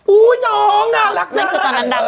อุ๊ยน้องน่ารักน่ารัก